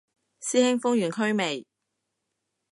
師兄封完區未